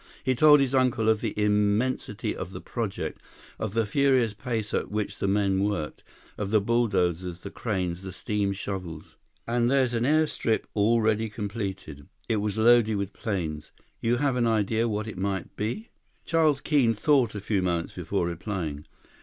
He told his uncle of the immensity of the project, of the furious pace at which the men worked, of the bulldozers, the cranes, the steam shovels. "And there's an air strip already completed. It was loaded with planes. You have an idea what it might be?" Charles Keene thought a few moments before replying.